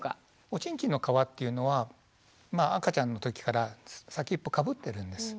おちんちんの皮っていうのは赤ちゃんの時から先っぽかぶってるんです。